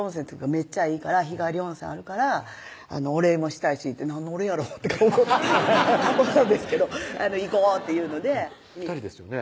めっちゃいいから日帰り温泉あるからお礼もしたいし」って何のお礼やろとか思うんですけど「行こう」って言うので２人ですよね